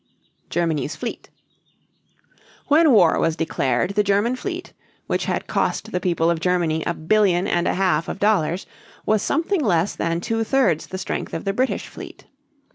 GERMANY'S FLEET. When war was declared the German fleet, which had cost the people of Germany a billion and a half of dollars, was something less than two thirds the strength of the British fleet.